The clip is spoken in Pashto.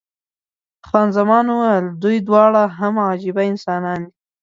خان زمان وویل، دوی دواړه هم عجبه انسانان دي.